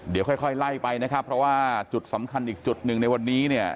เดี๋ยวค่อยไล่ไปนะครับเพราะว่าจุดสำคัญอีกจุดหนึ่งในวันนี้เนี่ย